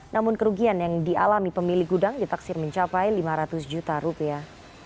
namun kerugian yang dialami pemilik gudang ditaksir mencapai lima ratus juta rupiah